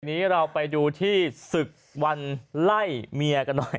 นี้เราไปดูที่ศึกวันไล่เมียกันหน่อย